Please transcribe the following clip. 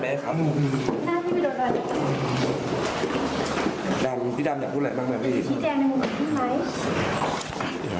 บอกแล้วบอกแล้วบอกแล้ว